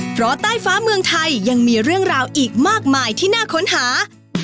เพราะใต้ฟ้าเมืองไทยยังมีเรื่องราวอีกมากมายที่น่าค้นหา